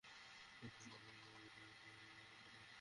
Entropy মহাবিশ্বের সবচেয়ে অদ্ভুত রাশি।